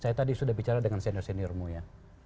saya tadi sudah bicara dengan senior seniormu ya